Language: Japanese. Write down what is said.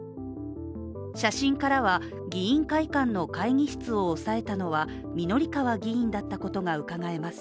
写真からは議員会館の会議室を押さえたのは御法川議員だったことがうかがえます。